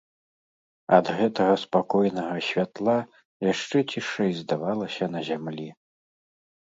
Ад гэтага спакойнага святла яшчэ цішэй здавалася на зямлі.